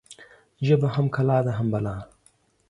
ژبه هم کلا ده، هم بلا